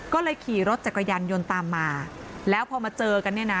ก็เลยขี่รถจักรยานยนต์ตามมาแล้วพอมาเจอกันเนี่ยนะ